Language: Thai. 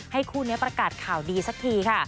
คู่นี้ประกาศข่าวดีสักทีค่ะ